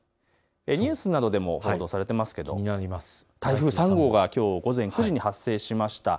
ニュースなどでも報道されていますけれども、台風３号がきょう午前９時に発生しました。